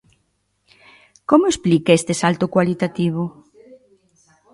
Como explica este salto cualitativo?